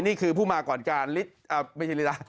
นี่คือผู้มาก่อนการ